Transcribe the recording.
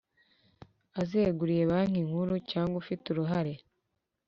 Azeguriye banki nkuru cyangwa ufite uruhare